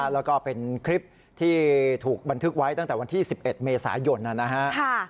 แล้วก็เป็นคลิปที่ถูกบันทึกไว้ตั้งแต่วันที่๑๑เมษายนนะครับ